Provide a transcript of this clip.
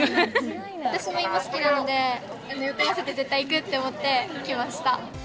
私も芋好きなので、予定合わせて絶対行くって思って、来ました。